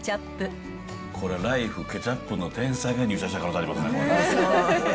これ、ライフ、ケチャップの天才が入社した可能性がありますね。